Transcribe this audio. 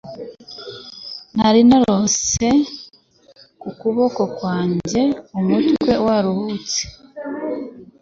nari narose ... ku kuboko kwanjye umutwe waruhutse